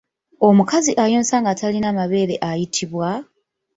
Omukazi ayonsa nga talina mabeere ayitibwa?